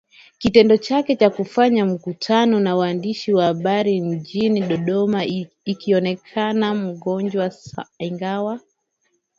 kitendo chake cha kufanya mkutano na waandishi wa habari mjini Dodoma akionekana mgonjwaIngawa